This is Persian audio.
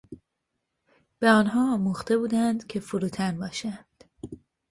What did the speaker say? به آنها آموخته بودند که فروتن باشند.